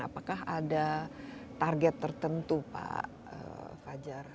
apakah ada target tertentu pak fajar